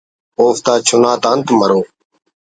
اوفتا چناتا انت مرو